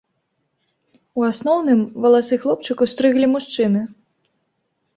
У асноўным валасы хлопчыку стрыглі мужчыны.